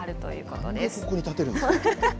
なんでここに建てるんですか。